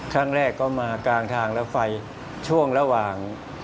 ครั้งแรกก็มากลางทางแล้วไฟช่วงระหว่าง